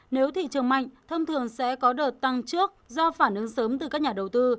nếu thị trường mạnh thông thường sẽ có đợt tăng trước do phản ứng sớm từ các nhà đầu tư